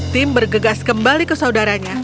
tim bergegas kembali ke saudaranya